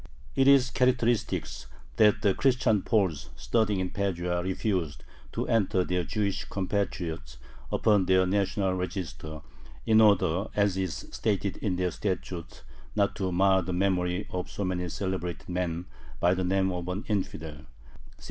It is characteristic that the Christian Poles studying in Padua refused to enter their Jewish compatriots upon their "national register," in order, as is stated in their statutes, "not to mar the memory of so many celebrated men by the name of an infidel" (1654).